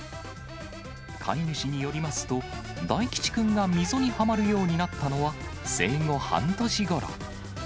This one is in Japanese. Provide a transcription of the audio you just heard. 飼い主によりますと、大吉くんが溝にはまるようになったのは、生後半年ごろ。